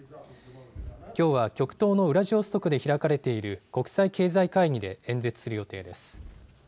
きょうは極東のウラジオストクで開かれている国際経済会議で演説する予定です。